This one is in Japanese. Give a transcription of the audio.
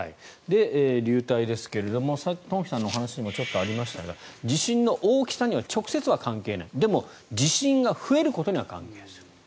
流体ですけれどさっき東輝さんのお話にもちょっとありましたが地震の大きさには直接は関係ないでも、地震が増えることには関係する。